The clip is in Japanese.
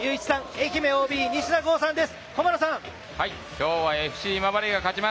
愛媛ＯＢ西田剛さんです。